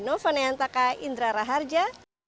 noponeantaka indra raharja